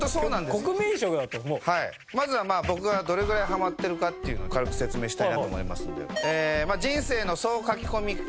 まずは僕がどれぐらいハマってるかっていうのを軽く説明したいなと思いますんで。